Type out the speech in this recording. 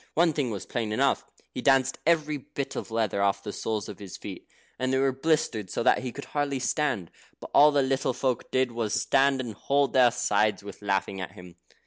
One thing was plain enough. He danced every bit of leather off the soles of his feet, and they were blistered so that he could hardly stand; but all the little folk did was to stand and hold their sides with laughing at him.